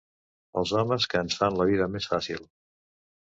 Els homes que ens fan la vida més fàcil.